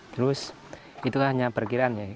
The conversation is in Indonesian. terus itu hanya perkiraan ya